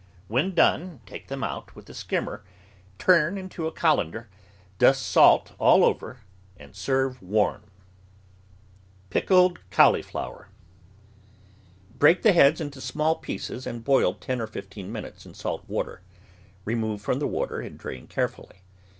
When done, take them out with a skimmer, turn into a colander, dust salt all over, and serve warm. THE VEGETABLE GARDEN PICKLED CAULIFLOWEE Break the heads into small pieces and boil ten or fifteen minutes in salt water ; remove from the water and drain carefully.